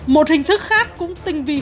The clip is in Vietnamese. một hình thức khác cũng tinh vi khóa